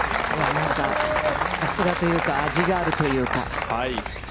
さすがというか、味があるというか。